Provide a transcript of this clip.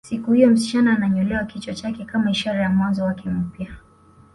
Siku hiyo msichana ananyolewa kichwa chake kama ishara ya mwanzo wake mpya